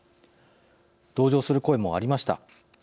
同情する声もありました。